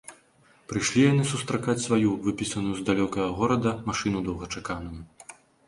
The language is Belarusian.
Прыйшлі яны сустракаць сваю, выпісаную з далёкага горада, машыну доўгачаканую.